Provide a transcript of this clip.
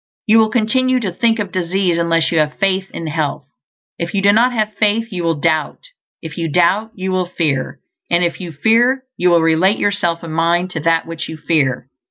You will continue to think of disease unless you have faith in health. If you do not have faith you will doubt; if you doubt, you will fear; and if you fear, you will relate yourself in mind to that which you fear.